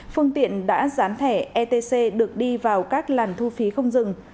phương tiện đã dán thẻ etc được đi vào các làn thu phí không dừng